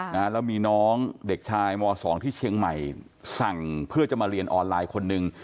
แล้วมีน้องเด็กชายมสองที่เชียงใหม่สั่งเพื่อจะมาเรียนออนไลน์คนหนึ่ง